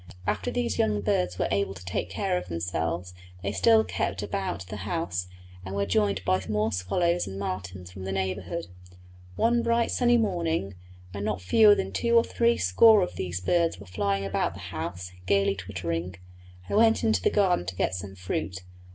After these young birds were able to take care of themselves they still kept about the house, and were joined by more swallows and martins from the neighbourhood. One bright sunny morning, when not fewer than two or three score of these birds were flying about the house, gaily twittering, I went into the garden to get some fruit.